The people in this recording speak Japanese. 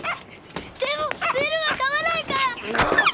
でもウェルは噛まないから。